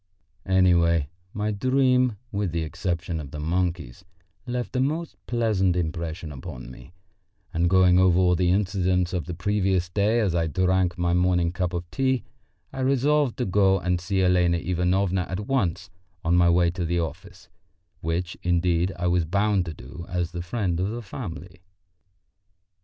Anyway, my dream, with the exception of the monkeys, left a most pleasant impression upon me, and going over all the incidents of the previous day as I drank my morning cup of tea, I resolved to go and see Elena Ivanovna at once on my way to the office which, indeed, I was bound to do as the friend of the family.